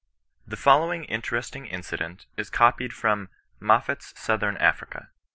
The following interesting incident is copied from " Moffat's Southern Africa."